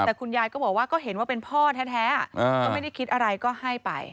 แต่คุณยายก็เห็นว่าเป็นพ่อแท้ไม่ได้คิดอะไรก็ให้ไป